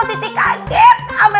mesti dirain siapa